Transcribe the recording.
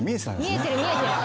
見えてる見えてる。